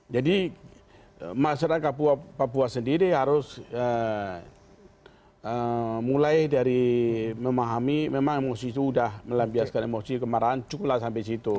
jadi masyarakat papua sendiri harus mulai dari memahami memang emosi sudah melambiaskan emosi kemarahan cukup lah sampai situ